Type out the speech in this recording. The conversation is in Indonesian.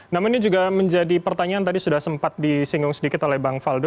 namun ini juga menjadi pertanyaan tadi sudah sempat disinggung sedikit oleh bang faldo